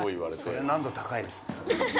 それ、難易度高いですね。